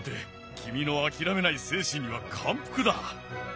君の諦めない精神には感服だ！